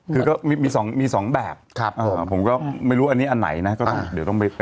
คือก็มีสองแบบผมก็ไม่รู้อันนี้อันไหนนะก็ต้องเดี๋ยวต้องไป